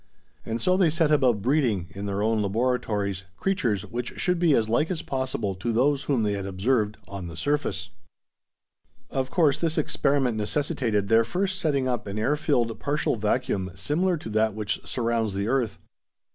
And so they set about breeding, in their own laboratories, creatures which should be as like as possible to those whom they had observed on the surface. Of course, this experiment necessitated their first setting up an air filled partial vacuum similar to that which surrounds the earth.